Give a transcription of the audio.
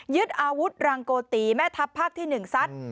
ยึดอาวุธรังโกติแม่ทัพภาคที่หนึ่งซัด